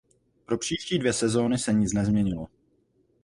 Pro příští dvě sezóny se nic nezměnilo.